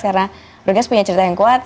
karena regas punya cerita yang kuat